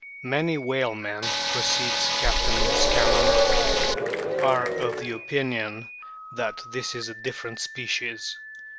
" Many whalemen," proceeds Captain Scammon, "are of the opinion that this is a different species.